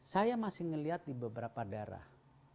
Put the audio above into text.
saya masih melihat di beberapa daerah